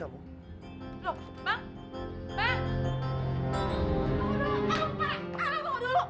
aduh bunga dulu